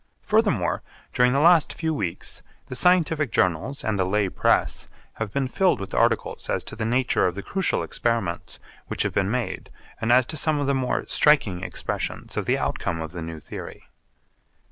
Furthermore during the last few weeks the scientific journals and the lay press have been filled with articles as to the nature of the crucial experiments which have been made and as to some of the more striking expressions of the outcome of the new theory.